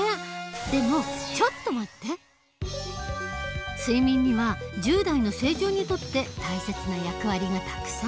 でも睡眠には１０代の成長にとって大切な役割がたくさん。